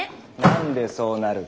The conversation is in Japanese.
何でそうなる。